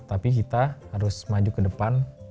tapi kita harus maju ke depan